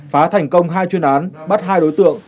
phá thành công hai chuyên án bắt hai đối tượng